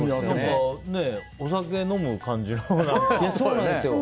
お酒飲む感じのね。